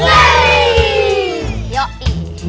gatau aku nggak bohong